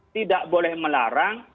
tidak boleh melarang